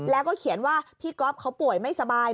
แล้วก็เขียนว่าพี่ก๊อฟเขาป่วยไม่สบาย